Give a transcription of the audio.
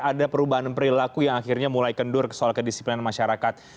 ada perubahan perilaku yang akhirnya mulai kendur soal kedisiplinan masyarakat